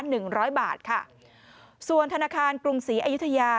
หนึ่งร้อยบาทค่ะส่วนธนาคารกรุงศรีอายุทยา